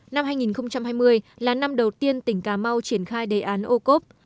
năm hai nghìn hai mươi là năm đầu tiên tỉnh cà mau triển khai đề án ô cốp